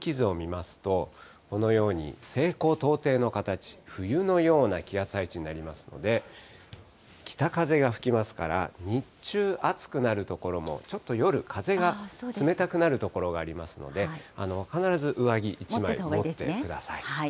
さらに天気図を見ますと、このように西高東低の形、冬のような気圧配置になりますので、北風が吹きますから、日中、暑くなる所もちょっと夜、風が冷たくなる所がありますので、必ず上着１枚持ってください。